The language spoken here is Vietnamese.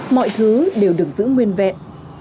mọi thứ đều được giữ nguyên vẹn